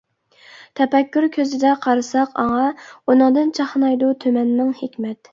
تەپەككۇر كۆزىدە قارىساق ئاڭا، ئۇنىڭدىن چاقنايدۇ تۈمەنمىڭ ھېكمەت.